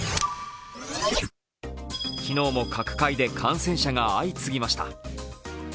昨日も各界で感染者が相次ぎました。